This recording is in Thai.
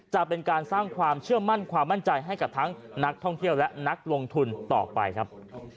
จะเป็นการสร้างความเชื่อมั่นความมั่นใจให้กับทั้งนักท่องเที่ยวและนักลงทุนต่อไปครับ